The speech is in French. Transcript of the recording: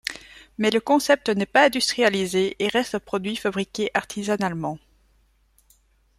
Mais le concept n'est pas industrialisé et reste un produit fabriqué artisanalement.